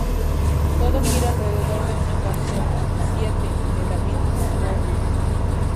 Todo gira alrededor de una canción: ""Siete"", de David Bowie.